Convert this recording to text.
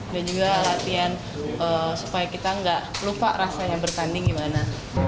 dan juga latihan supaya kita gak lupa rasanya bertanding gimana